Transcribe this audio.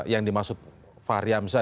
yang dimaksud fahri hamzah